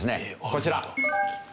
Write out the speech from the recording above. こちら。